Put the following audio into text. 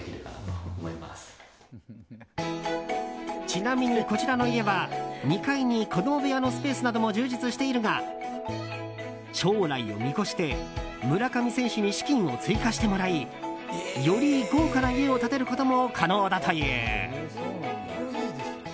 ちなみに、こちらの家は２階に子供部屋のスペースなども充実しているが将来を見越して村上選手に資金を追加してもらいより豪華な家を建てることも可能だという。